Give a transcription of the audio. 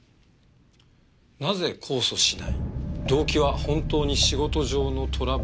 「なぜ控訴しない」「動機は本当に仕事上のトラブルか」